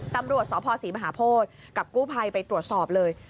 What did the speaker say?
ตำรวจสพศรีมหาโพธิกับกู้ภัยไปตรวจสอบเลย